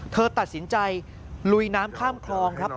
เธอตัดสินใจลุยน้ำข้ามคลองครับ